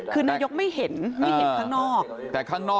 คือนายกไม่เห็นไม่เห็นข้างนอก